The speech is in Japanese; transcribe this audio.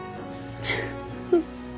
フフフ。